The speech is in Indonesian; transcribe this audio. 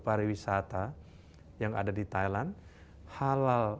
para wisata yang ada di thailand halal